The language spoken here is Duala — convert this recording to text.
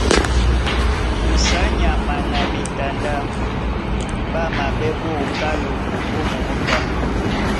Ŋgusu á nyama na ɓetandá ɓá maɓɛ́ ɓá oká loko ó mǒndá.